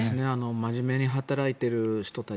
真面目に働いている人たち